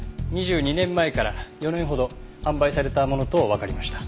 ２２年前から４年ほど販売されたものとわかりました。